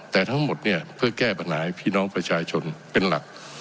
แต่ทั้งหมดเนี่ยเพื่อแก้ปัญหาให้พี่น้องประชาชนเป็นหลัก